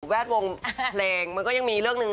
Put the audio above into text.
แวดวงเพลงมันก็ยังมีเรื่องหนึ่ง